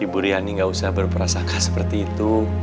ibu riani gak usah berperasakah seperti itu